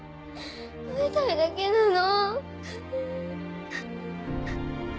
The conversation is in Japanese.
会いたいだけなの。